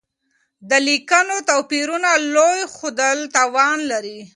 د ليکنيو توپيرونو لوی ښودل تاوان لري.